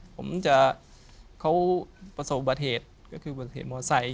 ผมจะเขาประสบบัติเหตุก็คือบัติเหตุมอไซค